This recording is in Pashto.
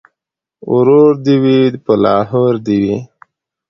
ـ ورور دې وي په لاهور دې وي.